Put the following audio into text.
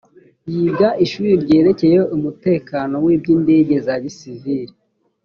yiga ishuri ryerekeye umutekano w’iby’indege za gisivili